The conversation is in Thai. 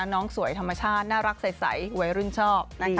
น้องสวยธรรมชาติน่ารักใสหวยรุ่นชอบ